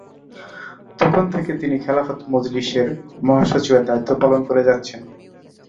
তখন থেকে তিনি খেলাফত মজলিসের মহাসচিবের দায়িত্ব পালন করে যাচ্ছেন।